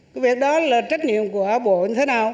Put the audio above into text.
cái việc đó là trách nhiệm của bộ như thế nào